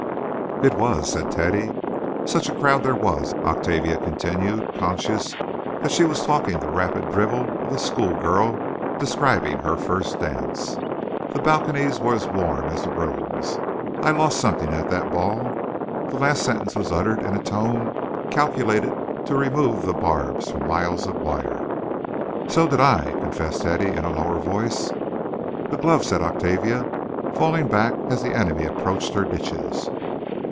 "It was," said Teddy. "Such a crowd there was!" Octavia continued, conscious that she was talking the rapid drivel of a school girl describing her first dance. "The balconies were as warm as the rooms. I—lost—something at that ball." The last sentence was uttered in a tone calculated to remove the barbs from miles of wire. "So did I," confessed Teddy, in a lower voice. "A glove," said Octavia, falling back as the enemy approached her ditches.